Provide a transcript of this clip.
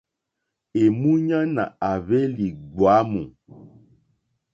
Èmúɲánà à hwélì ɡbwámù.